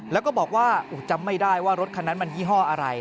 แล้วก็บอกว่าจำไม่ได้ว่ารถคันนั้นมันยี่ห้ออะไร